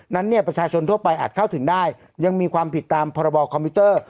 นั้นเนี่ยประชาชนทั่วไปอาจเข้าถึงได้ยังมีความผิดตามพรบคอมพิวเตอร์